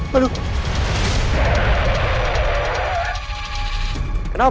bapak ngebut ya